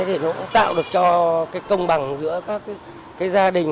thì nó cũng tạo được cho cái công bằng giữa các gia đình